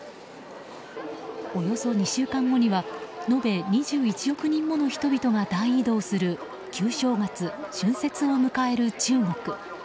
およそ２週間後には延べ２１億人もの人々が大移動する旧正月・春節を迎える中国。